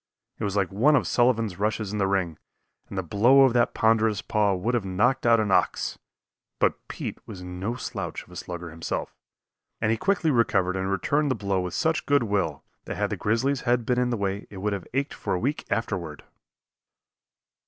It was like one of Sullivan's rushes in the ring, and the blow of that ponderous paw would have knocked out an ox; but Pete was no slouch of a slugger himself, and he quickly recovered and returned the blow with such good will that had the grizzly's head been in the way it would have ached for a week afterward.